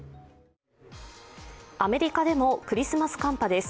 アメリカでもクリスマス寒波です。